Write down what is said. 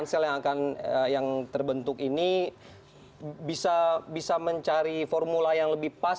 inipnl yang akan yang terbentuk ini bisa mencari formula yang lebih pas